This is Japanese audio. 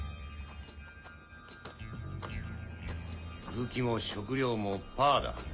武器も食糧もパアだ。